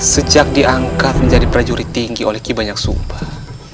sejak diangkat menjadi prajurit tinggi oleh ki banyak sumpah